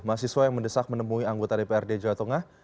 mahasiswa yang mendesak menemui anggota dprd jawa tengah